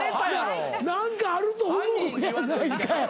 何かあると思うやないかい。